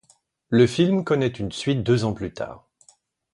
Le film connaît une suite deux ans plus tard.